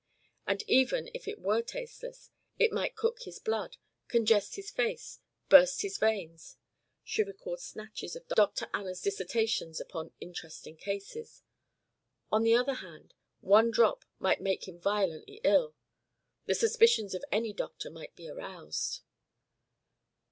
And even if it were tasteless, it might cook his blood, congest his face, burst his veins she recalled snatches of Dr. Anna's dissertations upon "interesting cases." On the other hand, one drop might make him violently ill; the suspicions of any doctor might be aroused.